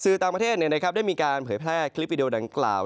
ต่างประเทศได้มีการเผยแพร่คลิปวิดีโอดังกล่าว